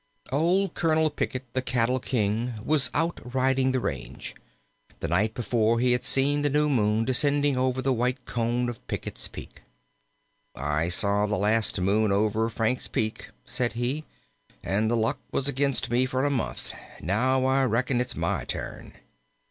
II Old Colonel Pickett, the cattle king, was out riding the range. The night before, he had seen the new moon descending over the white cone of Pickett's Peak. "I saw the last moon over Frank's Peak," said he, "and the luck was against me for a month; now I reckon it's my turn."